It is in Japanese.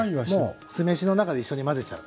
もう酢飯の中で一緒に混ぜちゃう。